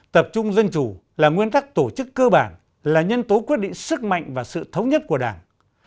tập trung dân chủ là nguyên tắc tổ chức cơ bản là nhân tố quyết định sức mạnh và sự thống nhất của đảng